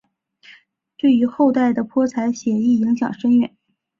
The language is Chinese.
对于后代的泼彩写意影响深远。